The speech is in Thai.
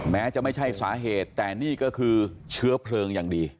แม้จะไม่ใช่สาเหตุแต่นี่ก็คือเชื้อเพลิงอย่างดี